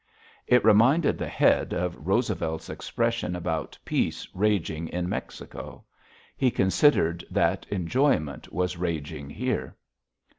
It reminded the Head of Roosevelt's expression about peace raging in Mexico. He considered that enjoyment was raging here.